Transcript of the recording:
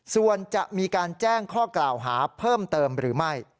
ส่วนจะมีการแจ้งข้อกล่าวหาเพิ่มเติมหรือไม่